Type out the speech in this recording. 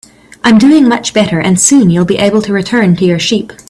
I'm doing much better, and soon you'll be able to return to your sheep.